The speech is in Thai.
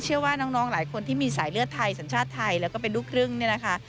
เชื่อว่าน้องหลายคนที่มีสายเลือดไทยสัญชาติไทยแล้วก็เป็นลูกครึ่งเนี่ยนะคะ